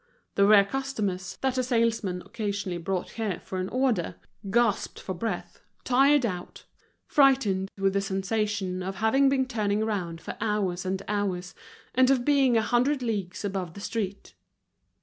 The rare customers, that a salesman occasionally brought here for an order, gasped for breath, tired out, frightened, with the sensation of having been turning round for hours and hours, and of being a hundred leagues above the street.